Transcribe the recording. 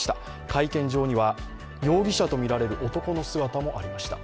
会見場には容疑者とみられる男の姿もありました。